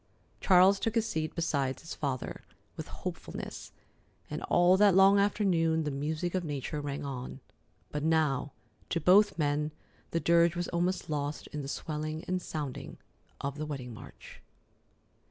Charles took his seat beside his father with hopefulness, and all that long afternoon the music of nature rang on; but now to both men the dirge was almost lost in the swelling and sounding of the wedding march.